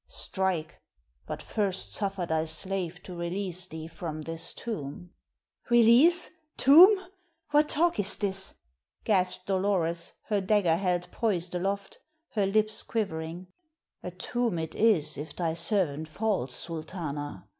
"Strike, but first suffer thy slave to release thee from this tomb." "Release? Tomb? What talk is this?" gasped Dolores, her dagger held poised aloft, her lips quivering. "A tomb it is if thy servant falls, Sultana.